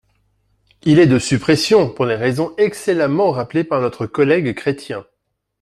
Il est de suppression, pour les raisons excellemment rappelées par notre collègue Chrétien.